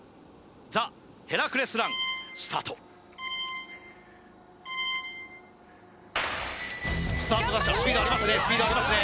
ザ・ヘラクレスランスタートスタートダッシュはスピードありますね